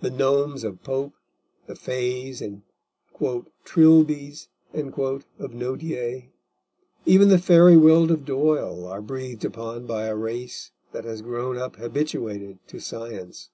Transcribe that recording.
The gnomes of Pope, the fays and "trilbys" of Nodier, even the fairy world of Doyle, are breathed upon by a race that has grown up habituated to science.